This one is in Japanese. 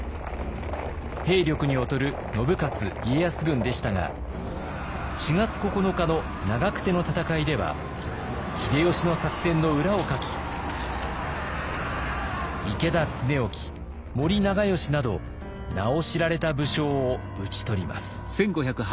兵力に劣る信雄・家康軍でしたが４月９日の長久手の戦いでは秀吉の作戦の裏をかき池田恒興森長可など名を知られた武将を討ち取ります。